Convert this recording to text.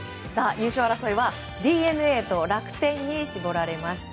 優勝争いはＤｅＮＡと楽天に絞られました。